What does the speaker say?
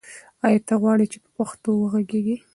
آیا ته غواړې چې په پښتو وغږېږې؟